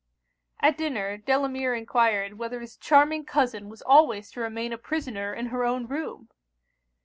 At dinner, Delamere enquired 'whether his charming cousin was always to remain a prisoner in her own room?'